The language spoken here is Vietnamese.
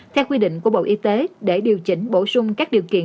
theo quy định của bộ y tế để điều chỉnh bổ sung các điều kiện